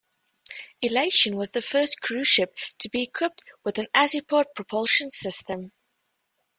"Elation" was the first cruise ship to be equipped with an Azipod propulsion system.